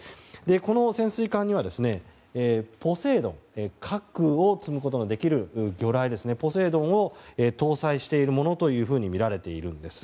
この潜水艦には核を積むことのできる魚雷ポセイドンを搭載しているものとみられているんです。